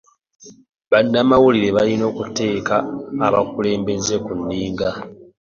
"Bannamawulire balina okuteeka abakulembeze ku nninga.